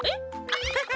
アハハ。